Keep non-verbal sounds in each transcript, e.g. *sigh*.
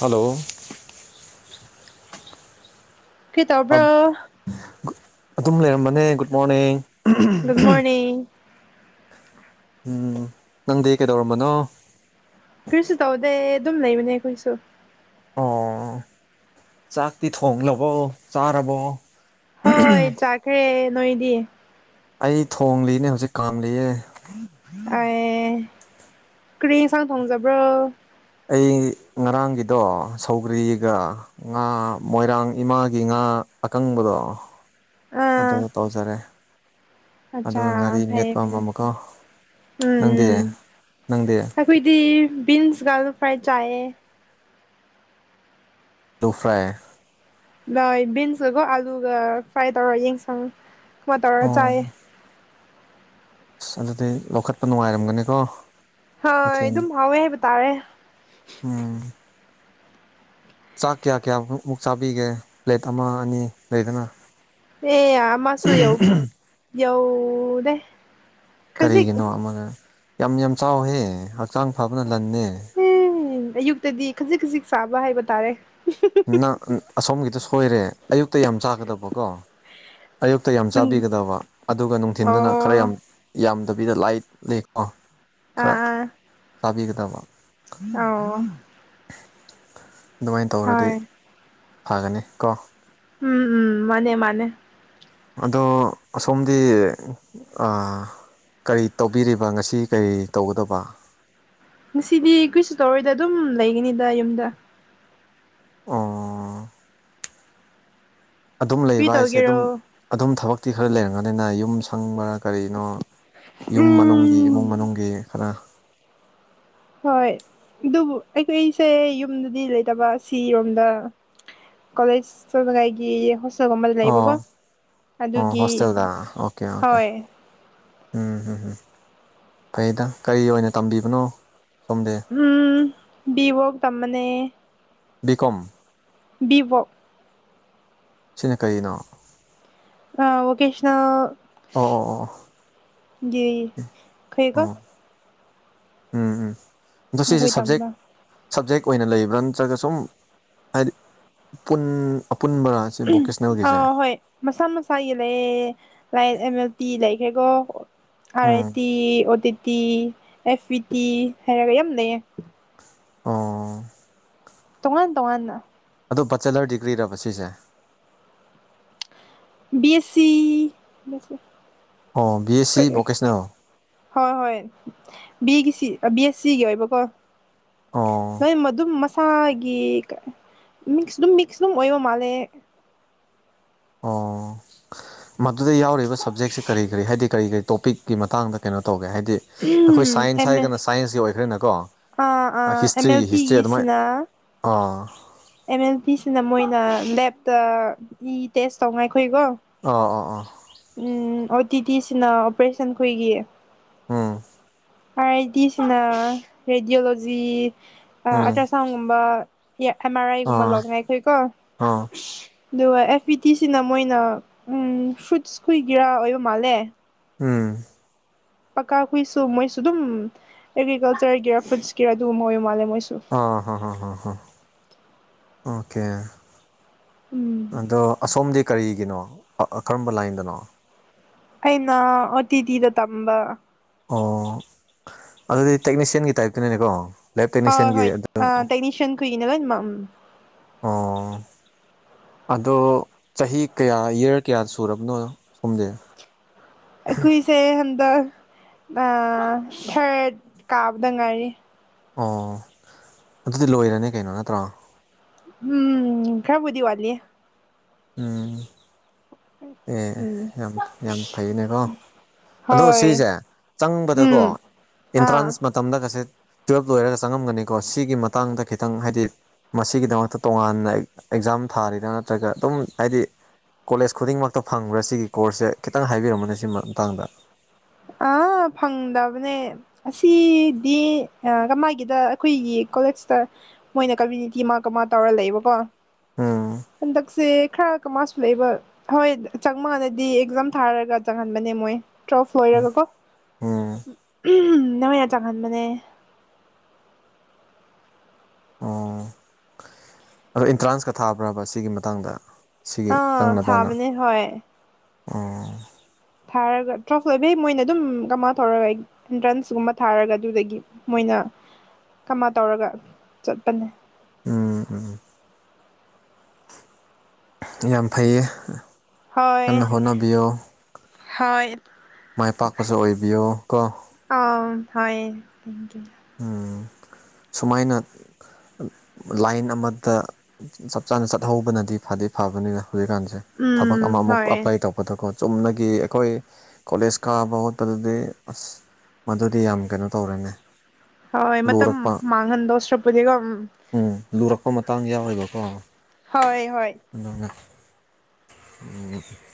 hello ꯀꯈꯤ ꯇꯕ꯭ꯔꯣ ꯑꯗꯨꯝ ꯂꯩꯔꯝꯕꯅꯦ ꯒꯨꯗ ꯃꯣꯔꯅꯤꯡ ꯒꯨꯗ ꯃꯣꯔꯅꯤꯡ ꯎꯝ ꯅꯪꯗꯤ ꯀꯩꯗꯧꯔꯝꯕꯅꯣ ꯀꯨꯔꯤꯁꯨ ꯇꯧꯗꯦ ꯑꯗꯨꯝ ꯂꯩꯕꯅꯦ ꯀꯨꯣꯏꯁꯨ ꯑꯣ ꯆꯥꯛꯇꯤ ꯊꯣꯡꯂꯕꯣ ꯆꯥꯔꯕꯣ ꯍꯣꯏ ꯆꯥꯈꯦꯦ ꯅꯣꯏꯗꯤꯌꯦ ꯑꯩ ꯊꯣꯡ ꯂꯤꯅꯦ ꯍꯧꯖꯤꯛ ꯀꯥꯝꯂꯤꯌꯦ ꯑꯦ ꯀ꯭ꯔꯤ ꯏꯟꯁꯥꯡ ꯊꯣꯡꯖꯕ꯭ꯔꯣ ꯑꯩ ꯉꯔꯥꯡꯒꯤꯗꯣ ꯁꯧꯒ꯭ꯔꯤꯒ ꯉꯥ ꯃꯣꯏꯔꯥꯡ ꯏꯃꯥꯒꯤ ꯉꯥ ꯑꯀꯪꯕꯗꯣ ꯑꯗꯨ ꯑꯥ ꯇꯧꯖꯔꯦ ꯑꯠꯆꯥ ꯑꯗꯨꯒ ꯉꯥꯔꯤ ꯐꯩꯌꯦ ꯃꯦꯠꯄꯝꯕ ꯐꯩ ꯑꯃꯨꯛꯀꯣ ꯎꯝ ꯅꯪꯗꯦ ꯎꯝ ꯅꯪꯗꯦ ꯑꯩꯈꯣꯏꯗꯤ ꯕꯤꯟꯁ ꯒꯥꯂꯣ ꯐ꯭ꯔꯥꯏ ꯆꯥꯦ ꯗ ꯐ꯭ꯔꯥꯏ ꯂꯣꯏ ꯕꯤꯟꯁꯀꯒꯣ ꯑꯥꯂꯨꯒ ꯐ꯭ꯔꯥꯏ ꯇꯧꯔ ꯌꯦꯡꯁꯪ ꯀꯨꯝꯃ ꯇꯧꯔ ꯑꯣ ꯆꯥꯏꯌꯦ ꯑꯁ ꯑꯗꯨꯗꯤ ꯂꯧꯈꯠꯄ ꯅꯨꯡꯉꯥꯏꯔꯝꯒꯅꯤꯀꯣ ꯍꯣꯏ ꯃꯊꯦꯜ ꯑꯗꯨꯝ ꯍꯥꯎꯋꯦ ꯍꯥꯏꯕ ꯇꯥꯔꯦ ꯎꯝ ꯆꯥꯛ ꯀꯌꯥ ꯀꯌꯥꯃꯃꯨꯛ ꯆꯥꯕꯤꯒꯦ ꯄ꯭ꯂꯦꯠ ꯑꯃ ꯑꯅꯤ ꯂꯩꯗꯅ ꯑꯦ ꯃꯥꯁꯨ ꯌꯥꯎ ꯌꯎꯅꯦ ꯀꯔꯤꯒꯤꯅꯣ ꯑꯃꯅ ꯌꯥꯝ ꯌꯥꯝ ꯆꯥꯎꯍꯦ ꯍꯛꯆꯥꯡ ꯐꯕꯅ ꯂꯟꯅꯦ ꯑꯌꯨꯛꯇꯗꯤ ꯈꯖꯤꯛ ꯈꯖꯤꯛ ꯆꯥꯕ ꯍꯥꯏꯕ ꯇꯥꯔꯦ ꯅꯪ ꯑꯁꯣꯝꯒꯤꯗꯣ ꯁꯣꯏꯔꯦ ꯑꯌꯨꯛꯇ ꯌꯥꯝ ꯆꯥꯒꯗꯕꯀꯣ ꯑꯌꯨꯛꯇ ꯌꯥꯝ ꯑꯗꯨꯝ ꯆꯥꯕꯤꯒꯗꯕ ꯑꯗꯨꯒ ꯅꯨꯡꯊꯤꯟꯗꯨꯅ ꯈꯔ ꯑꯣ ꯌꯥꯝ ꯌꯥꯝꯗꯕꯤꯗ ꯂꯥꯏꯠ ꯂꯩ ꯀꯣ ꯑ ꯑꯣ ꯑꯗꯨꯃꯥꯏꯅ ꯇꯧꯔꯗꯤ ꯍꯣꯏ ꯐꯒꯅꯤ ꯀꯣ ꯎꯝ ꯎꯝ ꯃꯅꯦ ꯃꯥꯅꯦ ꯑꯗꯣ ꯑꯁꯣꯝꯗꯤ ꯀꯔꯤ ꯇꯧꯕꯤꯔꯤꯕ ꯉꯁꯤ ꯀꯔꯤ ꯇꯧꯒꯗꯕ ꯉꯁꯤꯗꯤ ꯀꯨꯏꯁꯨ ꯇꯧꯔꯣꯏꯗ ꯑꯗꯨꯝ ꯂꯩꯒꯅꯤꯗ ꯌꯨꯝꯗ ꯑꯣ ꯑꯗꯨꯝ ꯀꯔꯤ ꯂꯩꯕ ꯍꯥꯏꯁꯦ ꯑꯗꯨꯝ ꯇꯧꯒꯦꯔꯣ ꯑꯗꯨꯝ ꯊꯕꯛꯇꯤ ꯈꯔ ꯂꯩꯔꯝꯒꯅꯤꯅ ꯌꯨꯝ ꯁꯪꯕ ꯀꯔꯤꯅꯣ ꯌꯨꯝ ꯃꯅꯨꯡꯒꯤ ꯎꯝ ꯏꯃꯨꯡ ꯃꯅꯨꯡꯒꯤ ꯈꯔ ꯍꯣꯏ ꯑꯗꯨꯕꯨ ꯑꯩꯈꯣꯏ ꯑꯩꯁꯦ ꯌꯨꯝꯗꯗꯤ ꯂꯩꯇꯕ ꯑꯁꯤꯔꯣꯝꯗ ꯀꯣꯂꯦꯖ ꯆꯠꯂꯒ ꯑꯩꯗꯤ ꯍꯣꯁ ꯆꯒꯨꯝꯕꯗ ꯂꯩꯕꯀꯣ ꯑꯣ ꯑꯣ ꯑꯗꯨꯒꯤ ꯍꯣꯁꯇꯦꯜꯗ ꯑꯣꯀꯦ ꯑꯣꯀꯦ ꯍꯣꯏ ꯎꯝ ꯐꯩꯗ ꯀꯔꯤ ꯑꯣꯏꯅ ꯇꯝꯕꯤꯕꯅꯣ ꯁꯣꯝꯗꯦ ꯎꯝ ꯕꯤꯕꯣꯛ ꯇꯝꯕꯅꯦ ꯕꯤ ꯀꯣꯝ ꯕꯤꯕꯣꯛ ꯁꯤꯅ ꯀꯔꯤꯅꯣ ꯑ ꯋꯥꯀꯦꯁꯅ *inaudible* ꯑꯣ ꯑꯣ ꯑꯣ ꯈꯩꯀꯣ ꯑꯣ *inaudible* ꯎꯝ ꯎꯝ ꯑꯗꯣ ꯁꯤꯁꯦ ꯅꯈꯣꯏ ꯁꯥꯞꯖꯦꯛ ꯇꯝꯕ ꯁꯞꯖꯦꯛ ꯑꯣꯏꯅ ꯂꯩꯕ꯭ꯔꯥ ꯅꯠꯇ꯭ꯔꯒ ꯁꯨꯝ ꯍꯥꯏꯗꯤ ꯑꯄꯨꯟꯕꯔꯥ ꯁꯤ ꯚꯣꯀꯦꯁꯅꯦꯜꯒꯤꯁꯦ ꯑꯥ ꯍꯣꯏ ꯃꯁꯥ ꯃꯁꯥꯒꯤ ꯂꯩꯌꯦ ꯂꯥꯏꯛ ꯑꯦꯝ ꯑꯦꯜ ꯇꯤ ꯂꯩꯈ꯭ꯔꯦꯀꯣ R I um T O T T F E T ꯍꯥꯏꯔꯒ ꯌꯥꯝ ꯂꯩꯌꯦ ꯑꯣ ꯇꯣꯉꯥꯟ ꯇꯣꯉꯥꯟꯅ ꯑꯗꯣ ꯕꯆꯦꯂꯔ ꯗꯤꯒ꯭ꯔꯤꯔꯕ ꯁꯤꯁꯦ ꯕꯤ ꯑꯦꯁ ꯁꯤ ꯑꯣ ꯕꯤ ꯑꯦꯁ ꯁꯤ ꯕꯣꯀꯦꯁꯅꯦꯜ ꯍꯣꯏ ꯍꯣꯏ ꯕꯤꯒꯤ ꯁꯤ ꯕꯤ ꯑꯦꯁ ꯁꯤꯒꯤ ꯑꯣꯏꯕꯀꯣ ꯑꯣ ꯅꯣꯏ ꯃꯗꯨꯝ *inaudible* ꯃꯁꯥꯒꯤ ꯃꯤꯛꯁ ꯑꯗꯨꯝ ꯃꯤꯛꯁ ꯑꯗꯨꯝ ꯑꯣꯏꯕ ꯃꯥꯜꯂꯦ ꯑꯣ ꯃꯗꯨꯗ ꯌꯥꯎꯔꯤꯕ ꯁꯞꯖꯦꯛꯁꯦ ꯀꯔꯤ ꯀꯔꯤ ꯍꯥꯏꯗꯤ ꯀꯔꯤ ꯀꯔꯤ ꯇꯣꯄꯤꯛ ꯒꯤ ꯃꯇꯥꯡꯗ ꯀꯩꯅꯣ ꯇꯧꯒꯦ ꯍꯥꯏꯗꯤ ꯑꯩꯈꯣꯏ ꯁꯥꯏꯟꯁ ꯑꯦꯝ ꯑꯦ ꯍꯥꯏꯔꯒꯅ ꯁꯥꯏꯟꯁꯀꯤ ꯑꯣꯏꯈ꯭ꯔꯦꯅꯀꯣ ꯑꯥ ꯑꯥ ꯑꯦꯝ ꯑꯦꯜ ꯍꯤꯁꯇ꯭ꯔꯤꯒꯤ ꯍꯤꯁꯇ꯭ꯔꯤ ꯑꯗꯨꯃꯥꯏ ꯇꯤꯒꯤꯁꯤꯅ ꯑꯥ ꯑꯦꯝ ꯑꯦꯜ ꯄꯤꯁꯤꯅ ꯃꯣꯏꯅ ꯂꯦꯞꯇ ꯏ ꯇꯦꯁ ꯇꯧ ꯉꯥꯏꯒꯣ ꯑꯥ ꯑꯣ ꯑꯣ ꯎꯝ ꯑꯣ ꯇꯤ ꯇꯤ ꯁꯤꯅ ꯑꯣꯄꯔꯦꯁꯟꯈꯣꯏꯒꯤ ꯑꯝ ꯑꯥꯏ ꯑꯥꯏ ꯗꯤꯁꯤꯅ ꯔꯦꯗꯤꯑꯣꯂꯣꯖꯤ ꯎꯝ ꯑꯜꯇ꯭ꯔ ꯁꯥꯎꯟꯒꯨꯝꯕ ꯑꯃꯥ *inaudible* ꯑꯥꯏꯒꯨꯝꯕꯜ ꯑꯥ ꯂꯅꯥꯏ ꯈꯣꯏꯀꯣ ꯑꯥ ꯑꯗꯨꯒ ꯑꯦꯐ ꯏ ꯇꯤꯁꯤꯅ ꯃꯣꯏꯅ ꯐ꯭ꯔꯨꯠꯁ ꯀꯨꯏꯒꯤꯔꯥ ꯑꯣꯏꯕ ꯃꯥꯜꯂꯦ ꯎꯝ ꯄꯥꯀꯥ ꯍꯨꯏꯁꯨ ꯃꯣꯏꯁꯨ ꯑꯗꯨꯝ ꯑꯦꯒ꯭ꯔꯤꯀꯜꯆꯔꯒꯤꯔꯥ ꯐꯨꯗꯁꯀꯤꯔꯥ ꯑꯗꯨꯒꯨꯝ ꯑꯣꯏꯕ ꯃꯥꯜꯂꯦ ꯃꯣꯏꯁꯨ ꯍ ꯍꯣꯏ ꯍ ꯍ ꯍ ꯑꯣꯀꯦ ꯎꯝ ꯑꯗꯣ ꯑꯁꯣꯝꯗꯤ ꯀꯔꯤꯒꯤꯅꯣ ꯀꯔꯝꯕ ꯂꯥꯏꯟꯗꯅꯣ ꯑꯩꯅ ꯑꯣ ꯇꯤ ꯇꯤꯗ ꯇꯝꯕ ꯑꯣ ꯑꯗꯨꯗꯤ ꯇꯦꯛꯅꯤꯁꯤꯌꯟꯒꯤ ꯇꯥꯏꯞꯇꯅꯦꯀꯣ ꯍꯣꯏ ꯍꯣꯏ ꯑꯥ ꯇꯦꯛꯅꯤꯁꯤꯌꯥꯟ ꯈꯣꯢꯏꯒꯤꯅ ꯂꯣꯢꯅꯃꯛ ꯑꯣ ꯑꯗꯣ ꯆꯍꯤ ꯀꯌꯥ ꯏꯌꯥꯔ ꯀꯌꯥ ꯁꯨꯔꯕꯅꯣ ꯁꯣꯝꯁꯦ *unintelligible* ꯑꯩꯈꯏꯁꯦ ꯍꯟꯗꯛ ꯊꯔꯠ ꯀꯥꯕꯗ ꯉꯥꯏꯔꯤ ꯑꯣ ꯑꯗꯨꯗꯤ ꯂꯣꯏꯔꯅꯤ ꯀꯩꯅꯣ ꯅꯠꯇ꯭ꯔꯣ ꯎꯝ ꯈꯔꯕꯨꯗꯤ ꯋꯥꯠꯂꯤꯌꯦ ꯎꯝ ꯑꯦ ꯎꯝ ꯌꯥꯝ ꯌꯥꯝ ꯐꯩꯌꯦꯅꯦꯀꯣ ꯑꯗꯣ ꯍꯣꯏ ꯁꯤꯖꯦ ꯆꯪꯕꯗꯒꯣ ꯎꯝ ꯑꯥ ꯏꯟꯇ꯭ꯔꯥꯟꯁ ꯃꯇꯝꯗꯒꯁꯦ ꯇꯨꯌꯦꯜꯞ ꯂꯣꯏꯔꯒ ꯆꯪꯉꯝꯒꯅꯤꯀꯣ ꯁꯤꯒꯤ ꯃꯇꯥꯡꯗ ꯈꯤꯇꯪ ꯍꯥꯏꯗꯤ ꯃꯁꯤꯒꯤꯗꯃꯛꯇ ꯇꯣꯉꯥꯟꯅ ꯑꯦꯛꯖꯥꯝ ꯊꯥꯔꯤꯔ ꯅꯠꯇ꯭ꯔꯒ ꯑꯗꯨꯝ ꯍꯥꯏꯗꯤ ꯀꯣꯂꯦꯖ ꯈꯨꯗꯤꯡꯃꯛꯇ ꯐꯪꯕ꯭ꯔꯥ ꯁꯤꯒꯤ ꯀꯣꯔꯁꯁꯦ ꯈꯤꯇꯪ ꯍꯥꯏꯕꯤꯔꯝꯃꯨꯅꯦ ꯁꯤ ꯃꯇꯥꯡꯗ ꯑꯥ ꯐꯪꯗꯕꯅꯦ ꯑꯁꯤꯗꯤ ꯀꯃꯥꯏꯒꯤꯗ ꯑꯩꯈꯣꯏꯒꯤ ꯀꯣꯂꯦꯖꯇ ꯃꯣꯏꯅ ꯀꯃ꯭ꯌꯨꯅꯤꯇꯤ ꯃꯥꯀꯃꯥ ꯇꯧꯔ ꯂꯩꯕꯀꯣ ꯎꯝ ꯍꯟꯗꯛ ꯁꯦ ꯈꯔ ꯀꯃꯥꯁꯨ ꯂꯩꯕ ꯍꯣꯏ ꯆꯪ ꯃꯥꯗꯗꯤ ꯑꯦꯛꯖꯥꯝ ꯊꯥꯔꯒ ꯆꯪꯍꯟꯕꯅꯦ ꯃꯣꯏ ꯎꯝ ꯑꫭꯏꯔꯒꯀꯣ ꯎꯝ ꯅꫭꯏꯅ ꯆꯪꯍꯟꯕꯅꯦ ꯑꯣ ꯑꯗꯣ ꯢꯟꯇ꯭ꯔꯥꯟꯁꯀ ꯊꯥꯕ꯭ꯔꯕ ꯁꯤꯒꯤ ꯃꯇꯥꯡꯗ ꯁꯤꯒꯤ ꯑꯥ ꯆꯪꯅꯗꯥꯅ ꯊꯥꯕꯅꯦ ꯍꯣꯏ ꯊꯥꯔꯒ ꯇ꯭ꯔꯐ ꯂꯣꯏꯕꯩ ꯃꯣꯏꯅ ꯑꯗꯨꯝ ꯀꯃꯥꯏꯅ ꯊꯧꯔꯒ ꯑꯩ ꯑꯦꯟꯇ꯭ꯔꯥꯟꯁꯀꯨꯝꯕ ꯊꯥꯔꯒ ꯑꯗꯨꯗꯒꯤ ꯃꯣꯏꯅ ꯀꯃ ꯇꯧꯔꯒ ꯆꯠꯄꯅꯦ ꯎꯝ ꯎꯝ ꯌꯥꯝ ꯐꯩꯌꯦ ꯍꯣꯏ ꯀꯟꯅ ꯍꯣꯠꯅꯕꯤꯌꯣ ꯍꯣꯏ ꯃꯥꯏ ꯄꯥꯛꯄꯁꯨ ꯑꯣꯏꯕꯤꯌꯣ ꯀꯣ ꯑꯣꯝ ꯍꯣꯏ *unintelligible* ꯎꯝ ꯁꯨꯃꯥꯏꯅ ꯂꯥꯏꯟ ꯑꯃꯗ ꯆꯞ ꯆꯥꯅ ꯆꯠꯍꯧꯕꯅꯗꯤ ꯐꯗꯤ ꯐꯕꯅꯤꯅꯦ ꯍꯧꯖꯤꯛꯀꯥꯟꯁꯦ ꯊꯕꯛ ꯎꯝ ꯑꯃꯃꯨꯛ ꯍꯣꯏ ꯑꯄ꯭ꯂꯥꯏ ꯇꯧ ꯈꯣꯠꯇꯀꯣ ꯆꯨꯝꯅꯒꯤ ꯑꯩꯈꯣꯏ ꯀꯣꯂꯦꯖ ꯀꯥꯕ ꯈꯣꯠꯄꯗꯗꯤ ꯑꯁ ꯃꯗꯨꯗꯤ ꯌꯥꯝ ꯀꯩꯅꯣ ꯇꯧꯔꯦꯅꯦ ꯍꯣꯏ ꯃꯇꯝ ꯂꯨꯔꯛꯄ ꯃꯥꯡꯍꯟꯗꯣꯁ꯭ꯔꯄꯗꯤꯒꯣ ꯎꯝ ꯎꯝ ꯂꯨꯔꯛꯄ ꯃꯇꯥꯡ ꯌꯥꯎꯋꯦꯕꯀꯣ ꯍꯣꯏ ꯍꯣꯏ *unintelligible*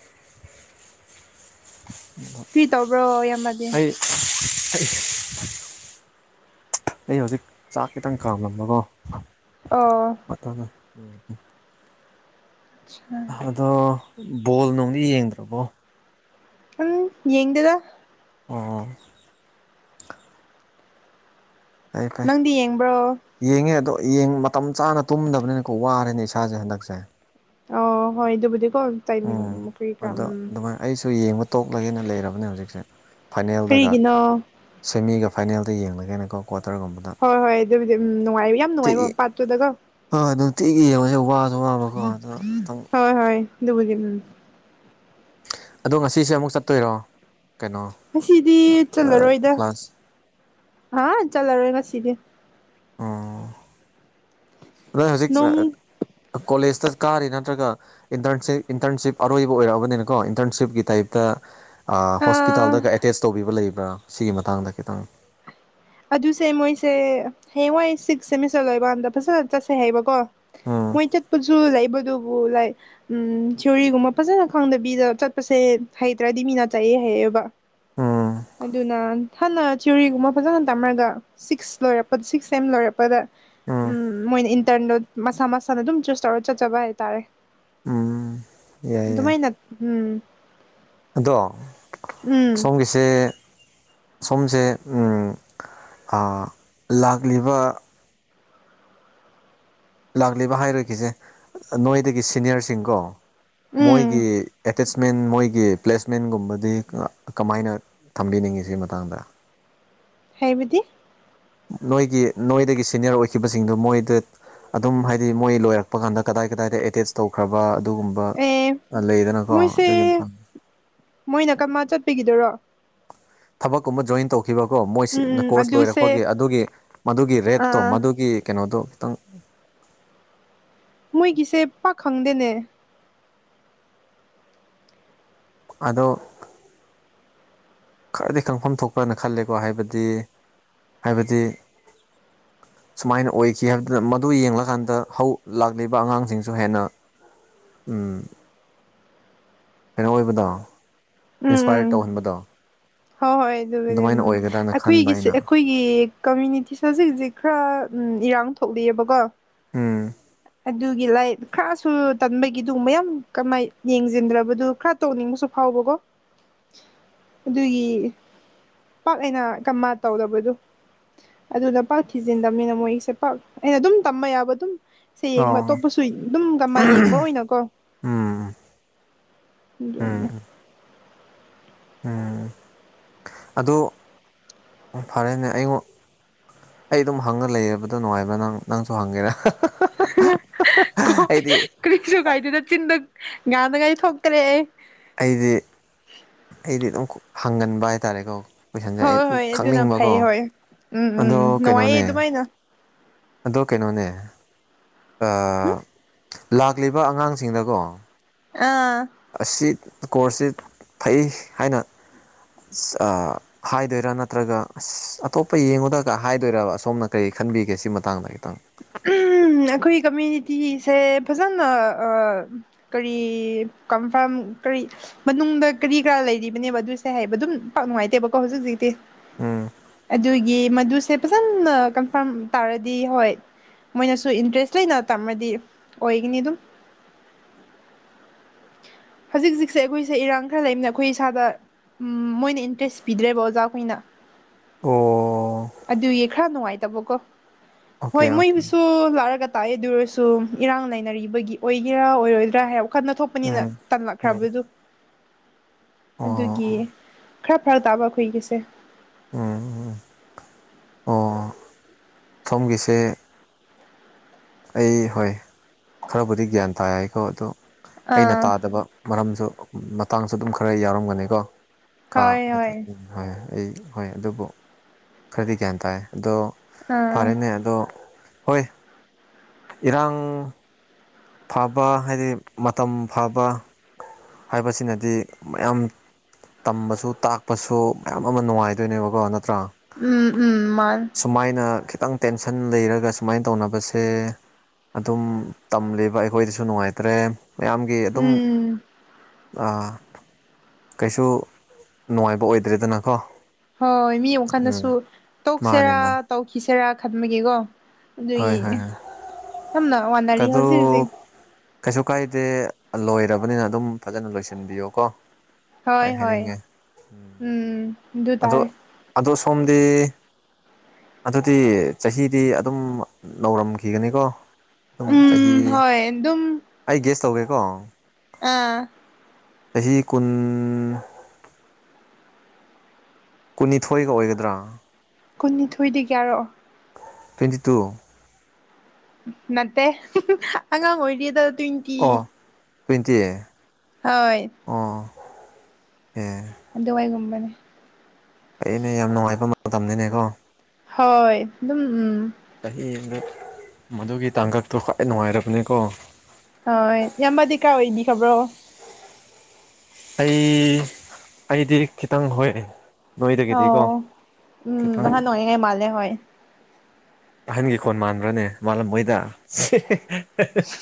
ꯀ꯭ꯔꯤ ꯇꯧꯕ꯭ꯔꯣ ꯏꯌꯥꯝꯕꯗꯤ *unintelligible* ꯑꯩ ꯍꯧꯖꯤꯛ ꯆꯥꯛ ꯈꯤꯇꯪ ꯀꯥꯝꯂꯝꯕꯀꯣ ꯑꫭ *unintelligible* *unintelligible* ꯑꯗꯣ ꯕꯣꯜ ꯅꯨꯡꯗꯤ ꯌꯦꯡꯗ꯭ꯔꯕꯣ ꯎꯝ ꯌꯦꯡꯗꯦꯗ ꯑꯣ ꯐꯩ ꯐꯩ ꯅꯪꯗꯤ ꯌꯦꯡꯕ꯭ꯔꯣ ꯌꯦꯡꯉꯦ ꯑꯗꯣ ꯌꯦꯡ ꯃꯇꯝ ꯆꯥꯅ ꯇꯨꯝꯗꯕꯅꯤꯅꯀꯣ ꯋꯥꯔꯦꯅꯦ ꯏꯁꯥꯁꯦ ꯍꯟꯗꯛꯁꯦ ꯑꫭ ꯍꯣꯏ ꯑꯗꯨꯕꯨꯗꯤꯀꯣ ꯇꯥꯏꯃꯤꯡ ꯎꯝ ꯑꯗꯣ *unintelligible* ꯑꯗꯨꯃꯥꯏꯅ ꯑꯩꯁꯨ ꯌꯦꯡꯕ ꯇꯣꯛꯂꯒꯦꯅ ꯂꯩꯔꯕꯅꯦ ꯍꯧꯖꯤꯛꯁꯦ ꯐꯥꯏꯅꯦꯜꯗꯒ ꯀꯔꯤꯒꯤꯅꯣ ꯁꯦꯃꯤꯒ ꯐꯥꯏꯅꯦꯜꯗ ꯌꯦꯡꯂꯒꯦꯅꯀꯣ ꯀ꯭ꯋꯥꯇꯔꯒꯨꯝꯕꯗ ꯍꯣꯏ ꯍꯣꯏ ꯑꯗꯨꯕꯨꯗꯤ ꯎꯝ ꯅꯨꯡꯉꯥꯏ ꯌꯥꯝ ꯅꯨꯡꯉꯥꯏꯕꯣ ꯄꯥꯠꯇꯨꯗꯒꯣ ꯍꯣꯏ ꯅꯨꯡꯇꯤꯒꯤ ꯌꯦꯡꯉꯣꯁꯦ ꯋꯥꯁꯨ ꯋꯥꯡꯕꯀꯣ ꯑꯗꯨ ꯈꯤꯇꯪ ꯍꯣꯏ ꯍꯣꯏ ꯑꯗꯨꯕꯨꯗꯤ ꯎꯝ ꯑꯗꯣ ꯉꯁꯤꯁꯦ ꯑꯃꯨꯛ ꯆꯠꯇꯣꯏꯔꯣ ꯀꯩꯅꯣ ꯉꯁꯤꯗꯤ ꯆꯜꯂꯔꯣꯏꯗ ꯀ꯭ꯂꯥꯁ ꯑ ꯆꯜꯂꯔꯣꯏ ꯉꯁꯤꯗꯤ ꯅꫭꯏ ꯍꯧꯖꯤꯛ ꯅꯣꯡ ꯀꯣꯂꯦꯖꯇ ꯀꯥꯔꯤꯔ ꯅꯠꯇ꯭ꯔꯒ ꯏꯟꯇꯔꯟꯁꯤꯞ ꯏꯟꯇꯔꯟꯁꯤꯞ ꯑꯔꯣꯏꯕ ꯑꯣꯏꯔꯛꯑꯕꯅꯤꯅꯀꯣ ꯏꯟꯇꯔꯟꯁꯤꯞꯀꯤ ꯇꯥꯏꯞꯇ ꯑꯥ ꯑꯥ ꯍꯣꯁꯄꯤꯇꯥꯜꯗꯒ ꯑꯦꯇꯦꯁ ꯇꯧꯈꯤꯕ ꯂꯩꯕ꯭ꯔꯥ ꯁꯤꯒꯤ ꯃꯇꯥꯡꯗ ꯈꯤꯇꯪ ꯑꯗꯨꯁꯦ ꯃꯣꯏꯁꯦ ꯍꯌꯦꯡꯋꯥꯏ ꯁꯤꯛꯁ ꯁꯦꯃꯤꯁꯇꯔ ꯂꯣꯏꯕꯥꯟꯗ ꯐꯖꯅ ꯆꯠꯁꯦ ꯍꯥꯏꯕꯀꯣ ꯎꯝ ꯃꯣꯏ ꯆꯠꯄꯖꯨ ꯂꯩꯥꯛꯕꯗꯨꯕꯨ ꯂꯥꯏ ꯎꯝ ꯊꯤꯑꯣꯔꯤꯒꯨꯝꯕ ꯐꯖꯅ ꯈꯪꯗꯕꯤꯗ ꯆꯠꯄꯁꯦ ꯍꯩꯇ꯭ꯔꯗꯤ ꯃꯤꯅ ꯆꯥꯏꯑꯦ ꯍꯩꯕ ꯎꯝ ꯑꯗꯨꯅ ꯍꯟꯅ ꯊꯤꯑꯣꯔꯤꯒꯨꯝꯕ ꯐꯖꯅ ꯇꯝꯃ꯭ꯔꯒ ꯁꯤꯛꯁ ꯂꯣꯏꯔꯛꯄꯗ ꯁꯤꯛꯁ ꯁꯦꯝ ꯂꯣꯏꯔꯛꯄꯗ ꯎꯝ ꯃꯣꯏꯅ ꯏꯟꯇꯔꯗꯣ ꯃꯁꯥ ꯃꯁꯥꯅ ꯑꯗꯨꯝ ꯆꯨꯁ ꯇꯧꯔ ꯆꯠꯆꯕ ꯍꯥꯏꯇꯥꯔꯦ ꯎꯝ ꯌꯥꯏ ꯌꯥꯏ ꯑꯗꯨꯃꯥꯏ ꯅ ꯎꯝ ꯑꯗꯣ ꯎꯝ ꯁꯣꯝꯒꯤ ꯁꯦ ꯁꯣꯝꯗꯦ ꯂꯥꯛꯂꯤꯕ ꯂꯥꯛꯂꯤꯕ ꯍꯥꯏꯔꯣꯏꯈꯤꯁꯦ ꯅꯣꯏꯗꯒꯤ ꯁꯤꯅꯤꯌꯔꯁꯤꯡꯀꯣ ꯃꯣꯏꯒꯤ ꯎꯝ ꯑꯦꯇꯦꯁꯃꯦꯟ ꯃꯣꯏꯒꯤ ꯄ꯭ꯂꯦꯁꯃꯦꯟꯒꯨꯝꯕꯗꯤ ꯀꯃꯥꯏꯅ ꯊꯝꯕꯤꯅꯤꯡꯉꯤ ꯁꯤ ꯃꯇꯥꯡꯗ ꯍꯥꯏꯕꯗꯤ ꯅꯣꯏꯒꯤ ꯅꯣꯏꯗꯒꯤ ꯁꯅꯤꯌꯔ ꯑꯣꯏꯈꯤꯕꯁꯤꯡꯗꯨ ꯃꯣꯏꯗ ꯑꯗꯨꯝ ꯍꯥꯏꯗꯤ ꯃꯣꯏ ꯂꯣꯏꯔꯛꯄ ꯀꯥꯟꯗ ꯀꯗꯥꯏ ꯀꯗꯥꯏꯗ ꯑꯦꯇꯦꯁ ꯇꯧꯈ꯭ꯔꯕ ꯑꯗꯨꯒꯨꯝꯕ ꯑꯦ ꯂꯩꯗꯅꯀꯣ ꯃꯣꯏꯁꯦ ꯑꯗꯨꯒꯤ ꯃꯇꯥꯡ ꯃꯣꯏꯅ ꯀꯔꯃ ꯆꯠꯄꯤꯒꯤꯗꯔꯣ ꯊꯕꯛ ꯀꯨꯝꯕ ꯖꯣꯏꯟ ꯇꯧ ꯈꯤꯕꯀꯣ ꯃꯣꯏꯁꯤ ꯎꯝ ꯎꯝ ꯀꯣꯔꯁ ꯂꯣꯏꯔꯛꯄꯒꯤ ꯑꯗꯨꯁꯦ ꯑꯗꯨꯒꯤ ꯃꯗꯨꯒꯤ ꯔꯦꯠꯇꯣ ꯑꯥ ꯃꯗꯨꯒꯤ ꯀꯩꯅꯣꯗꯣ ꯈꯤꯇꯪ ꯃꯣꯏꯒꯤꯁꯦ ꯄꯥꯛ ꯈꯪꯗꯦꯅꯦ ꯑꯗꯣ ꯈꯔꯗꯤ ꯈꯪꯐꯝ ꯊꯣꯛꯄ꯭ꯔꯅ ꯈꯜꯂꯦꯀꯣ ꯍꯥꯏꯕꯗꯤ ꯍꯥꯏꯕꯗꯤ *inaudible* ꯁꯨꯃꯥꯏꯅ ꯑꯣꯏꯈꯤ ꯍꯥꯏꯕꯗꯨꯅ ꯃꯗꯨ ꯌꯦꯡꯂꯀꯥꯟꯗ ꯍꯧ ꯂꯥꯛꯂꯤꯕ ꯑꯉꯥꯡꯁꯤꯡꯁꯨ ꯍꯦꯟꯅ ꯎꯝ ꯀꯩꯅꯣ ꯑꯣꯏꯕꯗꯣ ꯎꯝ ꯏꯟꯁꯄꯥꯏꯔ ꯎꯝ ꯇꯧꯍꯟꯕꯗꯣ ꯍꯣꯏ ꯍꯣꯏ ꯑꯗꯨꯒꯕꯨꯗꯤ ꯑꯗꯨꯃꯥꯏꯅ ꯑꯣꯏꯒꯗ꯭ꯔꯅ ꯈꯟꯕ ꯑꯩꯈꯣꯏꯒꯤ ꯑꯩꯅ ꯑꯩꯈꯣꯏ ꯑꯩꯒꯤ ꯀꯝꯃ꯭ꯌꯨꯅꯤꯇꯤꯁꯦ ꯍꯧꯖꯤꯛ ꯍꯧꯖꯤꯛ ꯈꯔ ꯏꯔꯥꯡ ꯊꯣꯛꯂꯤꯑꯕꯀꯣ ꯎꯝ ꯑꯗꯨꯒꯤ ꯂꯥꯏ ꯈꯔꯁꯨ ꯇꯟꯕꯒꯤ ꯑꯗꯨꯒꯨꯝꯕ ꯌꯥꯝ ꯀꯃꯥꯏ ꯌꯦꯡꯖꯤꯟꯗ꯭ꯔꯕꯗꯨ ꯈꯔ ꯇꯧꯅꯤꯡꯕꯁꯨ ꯐꯥꯎꯕꯒꯣ ꯑꯗꯨꯒꯤ ꯄꯥꯛ ꯑꯩꯅ ꯀꯥꯃꯥ ꯇꯧꯗꯕꯗꯣ ꯑꯗꯨꯅ ꯄꯥꯛ ꯊꯤꯖꯤꯟꯗꯕꯅꯤꯅ ꯃꯣꯏꯁꯦ ꯄꯥꯛ ꯑꯩꯅ ꯑꯗꯨꯝ ꯇꯝꯕ ꯌꯥꯕ ꯑꯗꯨꯝ ꯁꯦ ꯌꯦꯡꯕ ꯑꯣ ꯑꯇꯣꯞꯄꯁꯨ ꯑꯗꯨꯝꯒꯃ ꯌꯦꯡꯕ ꯑꯣꯏꯅꯀꯣ ꯎꯝ ꯎꯝ *unintelligible* ꯎꯝ ꯑꯗꯨ ꯐꯔꯦꯅꯦ ꯑꯩꯉꯣ ꯑꯩ ꯑꯗꯨꯝ ꯍꯪꯉ ꯂꯩꯕꯗꯣ ꯅꯨꯡꯉꯥꯏꯕ ꯅꯪ ꯅꯪꯁꯨ ꯍꯪꯒꯦꯔꯥ ꯑꯩꯗꯤ ꯀꯔꯤꯛꯁꯨ ꯀꯥꯏꯗꯦꯗ ꯆꯤꯟꯗ ꯉꯥꯡꯅꯉꯥꯏ ꯊꯣꯛꯇꯔꯦ ꯑꯩꯗꯤ ꯑꯩꯗꯤ ꯑꯗꯨꯝ ꯍꯪꯒꯟꯕ ꯍꯥꯏꯇꯥꯔꯦꯀꯣ ꯀꯣꯏꯁꯟꯖꯦ ꯑꯩ ꯍꯣꯏ ꯍꯣꯏ ꯑꯗꯨꯅ ꯈꯪꯅꯤꯡꯕꯀꯣ ꯐꯩ ꯍꯣꯏ ꯎꯝ ꯎꯝ ꯑꯗꯣ ꯅꯨꯡꯉꯥꯏꯌꯦ ꯀꯩꯅꯣꯅꯦ ꯑꯗꯨꯃꯥꯏꯅ ꯑꯗꯣ ꯀꯩꯅꯣꯅꯦ ꯂꯥꯛꯂꯤꯕ ꯑꯉꯥꯡꯁꯤꯡꯗꯀꯣ ꯑꯥ ꯑꯁꯤ ꯀꯣꯔꯁꯁꯤ ꯐꯩ ꯍꯥꯏꯅ ꯑꯥ ꯍꯥꯏꯗꯣꯏꯔꯥ ꯅꯠꯇ꯭ꯔꯒ ꯑꯁ ꯑꯇꯣꯞꯄ ꯌꯦꯡꯉꯨꯗꯒ ꯍꯥꯏꯗꯣꯏꯔ ꯑꯁꯣꯝꯅ ꯀꯔꯤ ꯈꯟꯕꯤꯒꯦ ꯁꯤ ꯃꯇꯥꯡꯗ ꯈꯤꯇꯪ ꯑꯩꯈꯣꯏ ꯀꯃ꯭ꯌꯨꯅꯤꯇꯤꯁꯦ ꯐꯖꯅ ꯀꯔꯤ ꯀꯟꯐꯥꯔꯝ ꯀꯔꯤ ꯃꯅꯨꯡꯗ ꯀꯔꯤ ꯀꯔꯥ ꯂꯩꯔꯤꯕꯅꯦꯕ ꯑꯗꯨꯁꯦ ꯍꯥꯏꯕ ꯑꯗꯨꯝ ꯄꯥꯛ ꯅꯨꯡꯉꯥꯏꯇꯦꯕꯀꯣ ꯍꯧꯖꯤꯛ ꯍꯧꯖꯤꯛꯇꯤ ꯎꯝ ꯑꯗꯨꯒꯤ ꯃꯗꯨꯁꯦ ꯐꯖꯅ ꯀꯟꯐꯥꯔꯝ ꯇꯥꯔꯗꯤ ꯍꯣꯏ ꯃꯣꯏꯅꯁꯨ ꯏꯟꯇꯔꯦꯁ ꯂꯩꯅ ꯇꯝꯃꯗꯤ ꯑꯣꯏꯒꯅꯤ ꯑꯗꯨꯝ ꯍꯧꯖꯤꯛ ꯍꯧꯖꯤꯛꯁꯦ ꯑꯩꯈꯣꯏꯁꯦ ꯏꯔꯥꯡ ꯈꯔ ꯂꯩꯕꯅꯤꯅ ꯑꯩꯈꯣꯏ ꯏꯁꯥꯗ ꯎꯝ ꯃꯣꯏꯅ ꯏꯟꯇ꯭ꯔꯦꯁ ꯄꯤꯗ꯭ꯔꯦꯕ ꯑꯣꯖꯥꯈꯣꯏꯅ ꯑꯣ ꯑꯗꯨꯏ ꯈꯔ ꯅꯨꯡꯉꯥꯏꯇꯕꯀꯣ ꯑꯣꯀꯦ ꯍꯣꯏ ꯑꯣꯀꯦ ꯃꯣꯏꯕꯨꯁꯨ ꯂꯥꯛꯑꯒ ꯇꯥꯛꯑꯦ ꯑꯗꯨ ꯑꯣꯏꯔꯁꯨ ꯏꯔꯥꯡ ꯂꯩꯅꯔꯤꯕꯒꯤ ꯑꯣꯏꯒꯦꯔꯥ ꯑꯣꯏꯔꯣꯏꯗ꯭ꯔꯥ ꯍꯥꯏ ꯋꯥꯈꯜꯗ ꯊꯣꯛꯄ ꯅꯤꯅ ꯎꯝ ꯎꯝ ꯇꯝꯃꯛꯈ꯭ꯔꯕꯗꯨ ꯑꯗꯨꯒꯤ ꯑꯣ ꯈꯔ ꯐꯔꯛ ꯇꯥꯕ ꯑꯩꯈꯣꯏꯒꯤꯁꯦ ꯎꯝ ꯑꯣ ꯐꯝꯒꯤꯁꯦ ꯑꯩ ꯍꯣꯏ ꯈꯔꯕꯨꯗꯤ ꯒ꯭ꯌꯥꯟ ꯇꯥꯀꯣ ꯑꯗꯨꯣ ꯑꯩꯅ ꯑꯥ ꯇꯥꯗꯕ ꯃꯔꯝꯁꯨ ꯃꯇꯥꯡꯁꯨ ꯑꯗꯨꯝ ꯈꯔ ꯌꯥꯎꯔꯝꯒꯅꯤꯀꯣ ꯀꯥ ꯍꯣꯏ ꯍꯣꯏ ꯍꯣꯏ ꯑꯩ ꯍꯣꯏ ꯑꯗꯨꯕꯨ ꯈꯔꯗꯤ ꯒ꯭ꯌꯥꯟ ꯇꯥꯏ ꯑꯗꯣ ꯑꯥ ꯐꯔꯦꯅꯦ ꯑꯗꯣ ꯍꯣꯏ ꯏꯔꯥꯡ ꯐꯕ ꯍꯥꯏꯗꯤ ꯃꯇꯝ ꯐꯕ ꯍꯥꯏꯕꯁꯤꯅꯗꯤ ꯃꯌꯥꯝ ꯇꯝꯕꯁꯨ ꯇꯥꯛꯄꯁꯨ ꯃꯌꯥꯝ ꯑꯃ ꯅꯨꯡꯉꯥꯏꯗꯣꯏꯅꯦꯕꯀꯣ ꯅꯠꯇ꯭ꯔꯥ ꯎꯝ ꯎꯝ ꯃꯥꯜ ꯁꯨꯃꯥꯏꯅ ꯈꯤꯇꯪ ꯇꯦꯟꯁꯟ ꯂꯩꯔꯒ ꯁꯨꯃꯥꯏꯅ ꯇꯧꯅꯕꯁꯦ ꯑꯗꯨꯝ ꯇꯝꯂꯤꯕ ꯑꯩꯈꯣꯏꯗꯁꯨ ꯅꯨꯡꯉꯥꯏꯇ꯭ꯔꯦ ꯃꯌꯥꯝꯒꯤ ꯑꯗꯨꯝ ꯎꯝ ꯀꯩꯁꯨ ꯅꯨꯡꯉꯥꯏꯕ ꯑꯣꯏꯗ꯭ꯔꯦꯗꯅꯀꯣ ꯍꯣꯏ ꯃꯤ ꯎꯝ ꯑꯃꯨꯛꯈꯗꯁꯨ ꯃꯥꯅꯦ ꯇꯧꯁꯦꯔꯥ ꯃꯥꯅꯦ ꯇꯧꯈꯤꯁꯦꯔꯥ ꯈꯟꯕꯒꯦꯀꯣ ꯍꯣꯏ ꯑꯗꯨꯒꯤ ꯍꯣꯏ ꯍꯣꯏ ꯁꯝꯅ ꯋꯥꯅꯔꯤ ꯑꯗꯨ ꯍꯧꯖꯤꯛ ꯍꯧꯖꯤꯛ ꯀꯩꯁꯨ ꯀꯥꯏꯗꯦ ꯂꯣꯏꯔꯕꯅꯤꯅ ꯑꯗꯨꯝ ꯐꯖꯅ ꯂꯣꯏꯁꯤꯟꯕꯤꯌꯣ ꯀꯣ ꯍꯣꯏ ꯁꯨꯃꯥꯏꯅ ꯍꯣꯏ ꯍꯥꯏꯅꯤꯡꯉꯦ ꯎꯝ ꯑꯗꯨ ꯑꯗꯣ ꯇꯥꯔꯦ ꯑꯗꯣ ꯁꯣꯝꯗꯤ ꯑꯗꯨꯗꯤ ꯆꯍꯤꯗꯤ ꯑꯗꯨꯝ ꯅꯧꯔꯝꯈꯤꯒꯅꯤꯀꯣ ꯑꯗꯨꯝ ꯆꯍꯤ ꯎꯝ ꯍꯣꯏ ꯑꯗꯨꯝ ꯑꯩ ꯒꯦꯁ ꯇꯧꯒꯦꯀꯣ ꯑꯥ ꯆꯍꯤ ꯀꯨꯟ ꯀꯨꯟꯅꯤꯊꯣꯏꯒ ꯑꯣꯏꯒꯗ꯭ꯔꯥ ꯀꯨꯟꯅꯤꯊꯣꯏꯗꯤ ꯀꯌꯥꯔꯣ ꯇ꯭ꯋꯦꯟꯇꯤ ꯇꯨ ꯅꯠꯇꯦ ꯑꯉꯥꯡ ꯑꯣꯏꯔꯤꯗ ꯇꯨꯡ ꯑꯣ ꯇ꯭ꯋꯦꯟꯇꯤꯑ ꯍꯣꯏ ꯑꯣ ꯑꯦ ꯗꯨꯕꯥꯏꯒꯨꯝꯕꯅꯦ ꯐꯩꯅꯦ ꯌꯥꯝ ꯅꯨꯡꯉꯥꯏꯕ ꯃꯇꯝꯅꯤꯅꯦꯀꯣ ꯍꯣꯏ ꯑꯗꯨꯝ ꯎꯝ ꯆꯍꯤ ꯑꯃꯗꯛ ꯃꯗꯨꯒꯤ ꯇꯥꯡꯀꯛꯇꯣ ꯈ꯭ꯋꯥꯏ ꯅꯨꯡꯉꯥꯏꯔꯕꯅꯤꯀꯣ ꯍ ꯏꯌꯥꯝꯕꯗꯤ ꯀꯥ ꯑꯣꯏꯅꯤ ꯈꯕ꯭ꯔꯣ ꯑꯩ ꯑꯩꯗꯤ ꯈꯤꯇꯪ ꯍꯣꯏꯑꯦ ꯑꯣ ꯎꯝ ꯈꯤꯇꯪ ꯅꯍꯥꯟ ꯑꯣꯏꯌꯦ ꯃꯥꯂꯦ ꯍꯣꯏ ꯑꯍꯟꯒꯤ ꯈꯣꯜ ꯃꯥꯟꯕ꯭ꯔꯅꯦ ꯃꯥꯜꯂꯝꯕꯣꯏꯗ *unintelligible*